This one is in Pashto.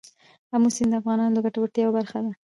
آمو سیند د افغانانو د ګټورتیا یوه برخه ده.